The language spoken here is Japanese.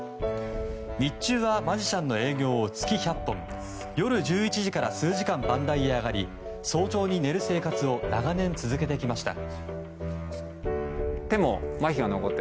日中はマジシャンの営業を月１００本夜１１時から数時間番台へ上がり早朝に寝る生活を長年、続けてきました。